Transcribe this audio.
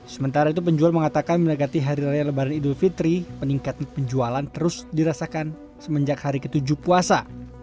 sementara itu penjual mengatakan menegati hari raya lebaran idul fitri meningkat penjualan terus dirasakan semenjak hari ketujuh puasa